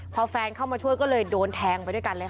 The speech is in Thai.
พอแฟนเข้ามาช่วยก็เลยโดนแทงไปด้วยกันเลยค่ะ